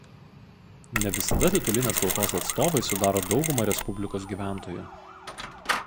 Ne visada titulinės tautos atstovai sudaro daugumą respublikos gyventojų.